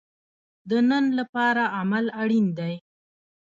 د نن لپاره عمل اړین دی